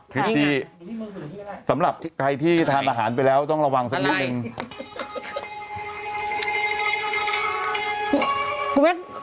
พิธีสำหรับใครที่ทานอาหารไปแล้วต้องระวังสักนิดนึง